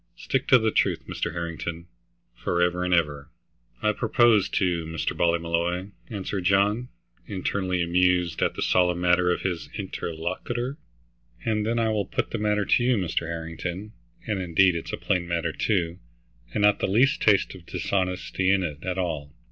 Stick to the truth, Mr. Harrington, forever and ever." "I propose to, Mr. Ballymolloy," answered John, internally amused at the solemn manner of his interlocutor. "And then I will put the matter to you, Mr. Harrington, and indeed it's a plain matter, too, and not the least taste of dishonesty in it, at all.